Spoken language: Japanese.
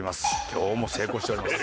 今日も成功しております。